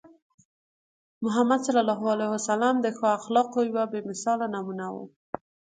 محمد صلى الله عليه وسلم د ښو اخلاقو یوه بې مثاله نمونه وو.